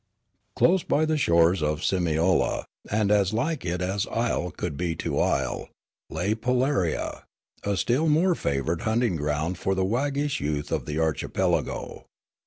Close by the shores of Simiola, and as like it as isle could be to isle, lay Polaria, a still more favoured hunting ground for the waggish youth of the archi pelago.